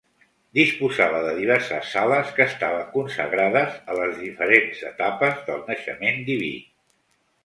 Disposava de diverses sales que estaven consagrades a les diferents etapes del naixement diví.